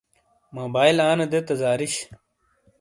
موبائیل آنے دے تا زارش۔